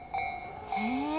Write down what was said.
へえ。